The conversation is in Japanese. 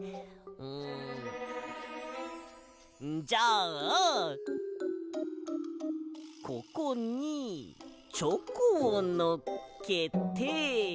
うんじゃあここにチョコをのっけて。